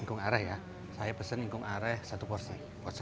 ingkung areh ya saya pesen ingkung areh satu porsi